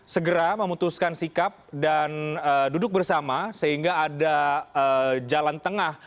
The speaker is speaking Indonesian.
segera memutuskan sikap dan duduk bersama sehingga ada jalan tengah